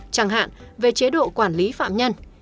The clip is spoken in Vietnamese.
chẳng hạn về chế độ quản lý phạm nhân